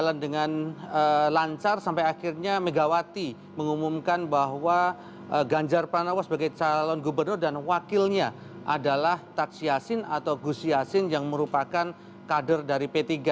berjalan dengan lancar sampai akhirnya megawati mengumumkan bahwa ganjar pranowo sebagai calon gubernur dan wakilnya adalah taksiasin atau gus yassin yang merupakan kader dari p tiga